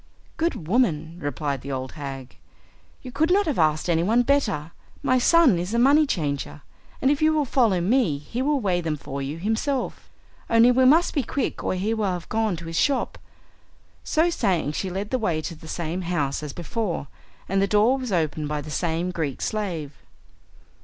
"Good woman," replied the old hag, "you could not have asked anyone better. My son is a money changer, and if you will follow me he will weigh them for you himself. Only we must be quick or he will have gone to his shop." So saying she led the way to the same house as before, and the door was opened by the same Greek slave.